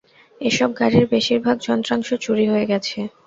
এসব গাড়ির বেশির ভাগ যন্ত্রাংশ চুরি হয়ে গেছে।